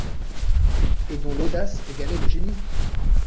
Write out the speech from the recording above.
Et dont l’audace égalait le génie ?